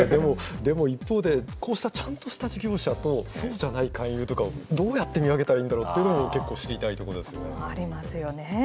でも、一方で、こうしたちゃんとした事業者とそうじゃない勧誘とかをどうやって見分けたらいいんだろうというのも結構知りたいとありますよね。